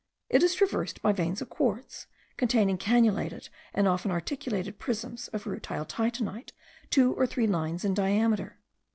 It is traversed by veins of quartz, containing cannulated and often articulated prisms of rutile titanite two or three lines in diameter.